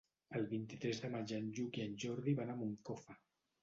El vint-i-tres de maig en Lluc i en Jordi van a Moncofa.